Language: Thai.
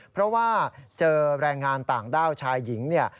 เพราะว่าเจอแรงงานต่างด้าวชายหญิงเนี่ย